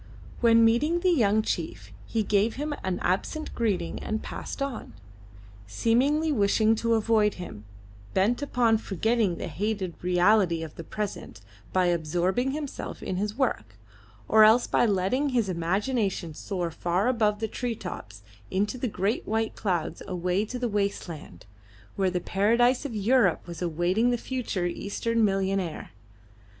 When meeting the young chief he gave him an absent greeting and passed on, seemingly wishing to avoid him, bent upon forgetting the hated reality of the present by absorbing himself in his work, or else by letting his imagination soar far above the tree tops into the great white clouds away to the westward, where the paradise of Europe was awaiting the future Eastern millionaire.